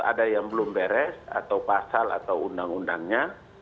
ada yang belum beres atau pasal atau undang undangnya